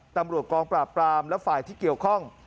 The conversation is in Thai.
ตำรวจกองปราบปรามและฝ่ายที่เกี่ยวข้อง